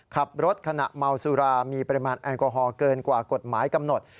ขับรถขณะเมาสุรามีปริมาณแอลกอฮอลเกินกว่ากฎหมายกำหนด